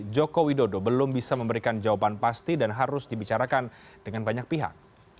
joko widodo belum bisa memberikan jawaban pasti dan harus dibicarakan dengan banyak pihak